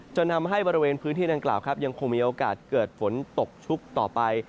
จนทำให้บริเวณพื้นที่ดังกล่าวครับยังคงมีโอกาสเกิดฝนตกชุกต่อไป